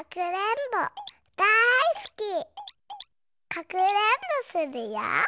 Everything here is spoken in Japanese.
かくれんぼするよ。